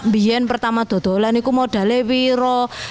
biar pertama tolong aku mau pilih lebih